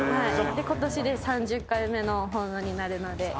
今年で３０回目の奉納になるので。